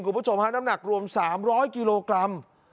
คุณผู้ชมฮะน้ำหนักรวม๓๐๐กิโลกรัม